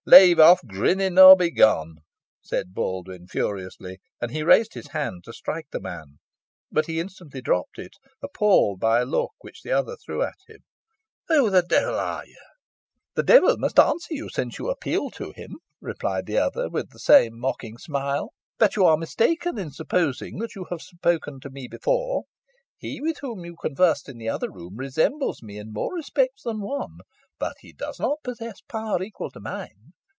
"Leave off grinnin' or begone," cried Baldwyn, furiously. And he raised his hand to strike the man, but he instantly dropped it, appalled by a look which the other threw at him. "Who the dule are yo?" "The dule must answer you, since you appeal to him," replied the other, with the same mocking smile; "but you are mistaken in supposing that you have spoken to me before. He with whom you conversed in the other room, resembles me in more respects than one, but he does not possess power equal to mine.